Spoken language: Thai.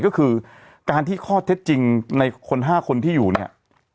ก็คือการที่ข้อเท็จจริงในคน๕คนที่อยู่เนี่ย